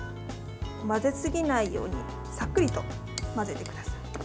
混ぜすぎないようにさっくりと混ぜてください。